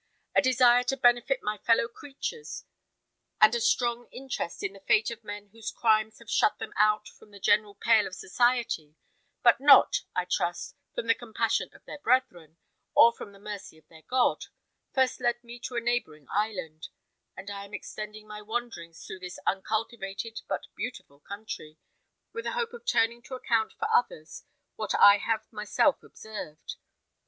A desire to benefit my fellow creatures, and a strong interest in the fate of men whose crimes have shut them out from the general pale of society, but not, I trust, from the compassion of their brethren, or from the mercy of their God, first led me to a neighbouring island; and I am extending my wanderings through this uncultivated but beautiful country, with a hope of turning to account for others what I have myself observed.